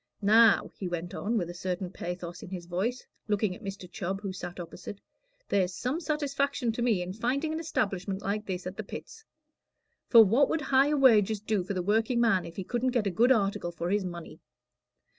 "Now," he went on, with a certain pathos in his voice, looking at Mr. Chubb, who sat opposite, "there's some satisfaction to me in finding an establishment like this at the Pits. For what would higher wages do for the workingman if he couldn't get a good article for his money?